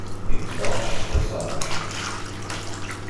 He clutched the thatch.